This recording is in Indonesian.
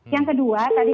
yang kedua tadi